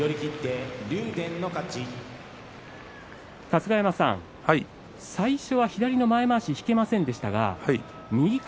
春日山さん、最初は左の前まわしが引けませんでした。